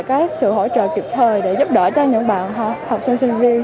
chương trình hỗ trợ kịp thời để giúp đỡ cho những bạn học sinh sinh viên